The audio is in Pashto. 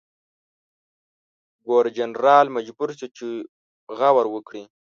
ګورنرجنرال مجبور شو چې غور وکړي.